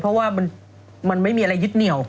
เพราะว่ามันไม่มีอะไรยึดเหนียว